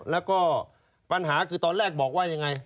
แล้วก็ปัญหาคือตอนแรกบอกว่ายังไง